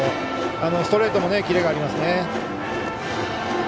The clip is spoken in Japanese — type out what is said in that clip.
ストレートもキレがありますよね。